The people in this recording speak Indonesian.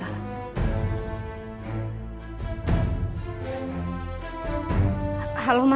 kamu biar aberta